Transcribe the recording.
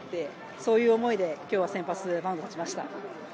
そういう思いで今日は先発マウンドに立ちました。